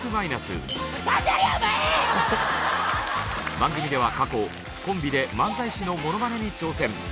番組では過去コンビで漫才師のものまねに挑戦。